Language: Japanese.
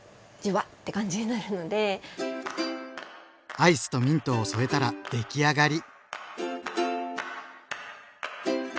アイスとミントを添えたら出来上がり。